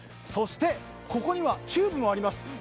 そして、ここにはチューブもあります。